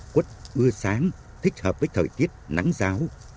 quất ưa sáng thích hợp với thời tiết nắng giáo